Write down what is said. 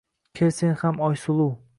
Kel sen ham Oysuluv